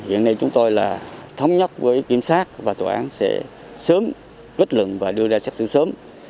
hiện nay chúng tôi là thống nhất với kiểm sát và tòa án sẽ sớm kết luận và đưa ra xét xử sớm